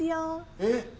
えっ？